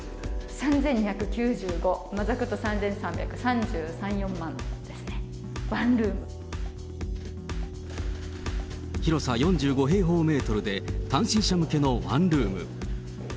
３２９５、ざくっと３３００、４０万、広さ４５平方メートルで、単身者向けのワンルーム。